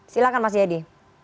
silakan mas jayadi